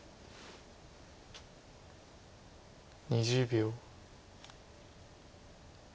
２０秒。